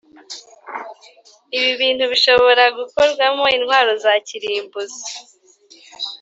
Ibibintu bishobora gukorwamo intwaro za kirimbuzi